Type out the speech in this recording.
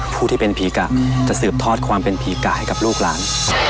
ผู้ที่เป็นผีกะจะสืบทอดความเป็นผีกะให้กับลูกหลาน